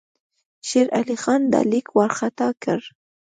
شېر علي خان دا لیک وارخطا کړ.